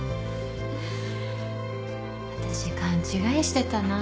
私勘違いしてたな。